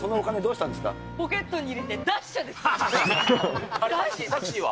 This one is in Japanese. ポケットに入れてダッシュでタクシーは？